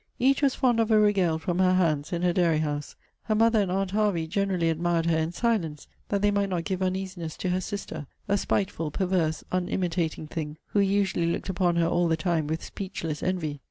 Each was fond of a regale from her hands in her Dairy house. Her mother and aunt Hervey generally admired her in silence, that they might not give uneasiness to her sister; a spiteful, perverse, unimitating thing, who usually looked upon her all the time with speechless envy.